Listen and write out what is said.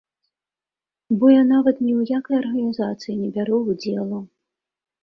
Бо я нават ні ў якой арганізацыі не бяру ўдзелу.